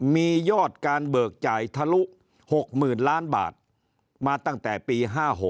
มียอดการเบิกจ่ายทะลุ๖๐๐๐ล้านบาทมาตั้งแต่ปี๕๖